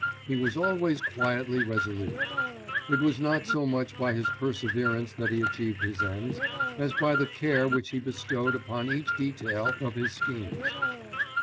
He was always quietly resolute. It was not so much by his perseverance that he achieved his ends, as by the care which he bestowed upon each detail of his schemes.